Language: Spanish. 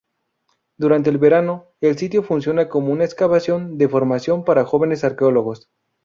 Durante el verano, el sitio funciona como una excavación de formación para jóvenes arqueólogos.